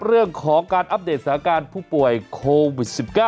เรื่องของการอัปเดตสถานการณ์ผู้ป่วยโควิด๑๙